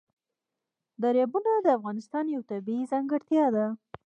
دریابونه د افغانستان یوه طبیعي ځانګړتیا ده.